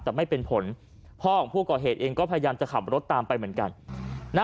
แต่ไม่เป็นผลพ่อของผู้ก่อเหตุเองก็พยายามจะขับรถตามไปเหมือนกัน